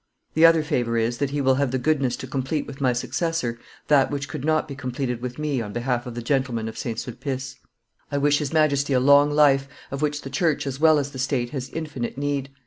The other favor is, that he will have the goodness to complete with my successor that which could not be completed with me on behalf of the gentlemen of St. Sulpice. I wish his Majesty a long life, of which the church as well as the state has infinite need.